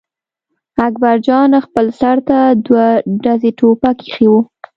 اکبر جان خپل سر ته دوه ډزي ټوپک اېښی و.